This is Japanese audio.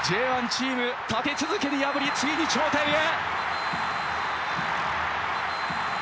チーム立て続けに破りついに頂点へ！